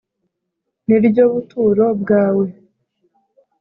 ni ryo buturo bwawe,